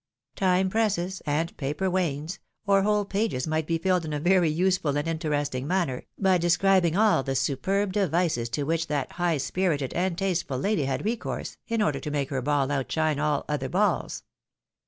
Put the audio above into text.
Time presses, and paper wanes, or whole pages might be filled in a very useful and interesting manner, by describing all the superb devices to which that high spirited and tasteful lady had recourse in order to make her baU outshine all other balls.